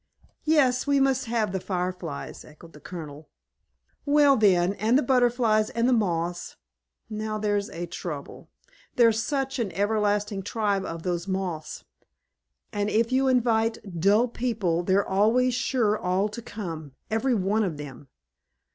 "Yes, we must have the Fireflies," echoed the Colonel. "Well, then, and the Butterflies and the Moths. Now, there's a trouble. There's such an everlasting tribe of those Moths; and if you invite dull people they're always sure all to come, every one of them.